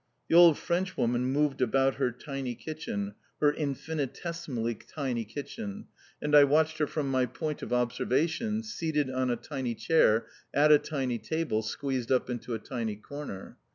The old Frenchwoman moved about her tiny kitchen, her infinitesimally tiny kitchen, and I watched her from my point of observation, seated on a tiny chair, at a tiny table, squeezed up into a tiny corner.